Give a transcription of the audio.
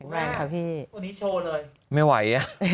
แข็งแรงครับพี่